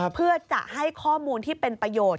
เพื่อจะให้ข้อมูลที่เป็นประโยชน์